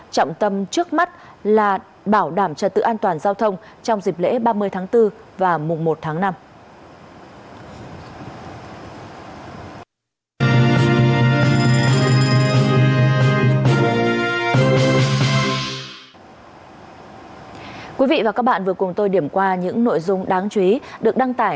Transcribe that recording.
trọng tâm trước mắt là bảo đảm cho tự an toàn giao thông trong dịp lễ ba mươi tháng bốn và mùng một tháng năm